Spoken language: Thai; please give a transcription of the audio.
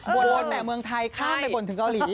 บ่นแต่เมืองไทยข้ามไปบ่นถึงเกาหลี